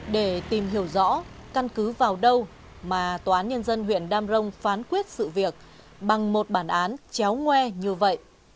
để tìm hiểu rõ căn cứ vào đâu mà tòa án nhân dân huyện đam rồng phán quyết sự việc bằng một bản án chéo ngoe như vậy